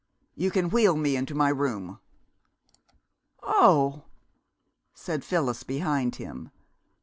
You can wheel me into my room." "Oh h!" said Phyllis, behind him.